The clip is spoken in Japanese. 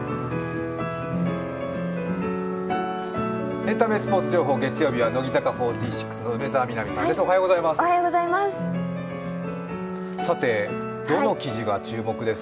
エンタメスポーツ情報、月曜日は乃木坂４６の梅澤美波さんです。